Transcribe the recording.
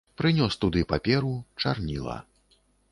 Прынёс туды паперу, чарніла.